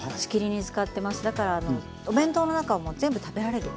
だからあのお弁当の中も全部食べられる。